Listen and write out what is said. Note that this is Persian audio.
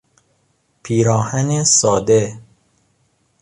پیراهن ساده